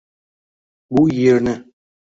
Bu yerni